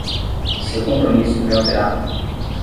Seu compromisso foi alterado.